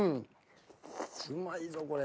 うまいぞこれ。